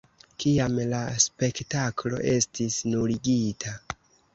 Kiam la spektaklo estis nuligita.